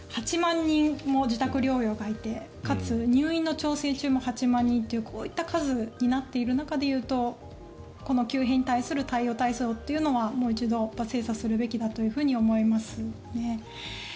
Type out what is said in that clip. ８万人も自宅療養がいてかつ入院の調整中も８万人という、こういった数になってる中でいうと急変に対する対応体制というのはもう一度精査するべきだと思いますね。